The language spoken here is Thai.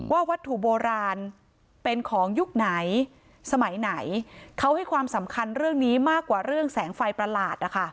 วัตถุโบราณเป็นของยุคไหนสมัยไหนเขาให้ความสำคัญเรื่องนี้มากกว่าเรื่องแสงไฟประหลาดนะคะ